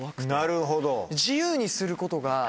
なるほど。